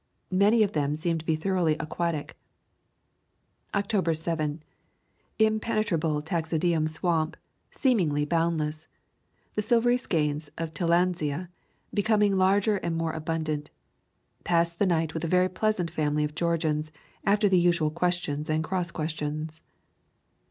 Many of them seem to be thoroughly aquatic. October 7. Impenetrable taxodium swamp, seemingly boundless. The silvery skeins of tillandsia becoming longer and more abun dant. Passed the night with a very pleasant family of Georgians, after the usual questions and cross questions.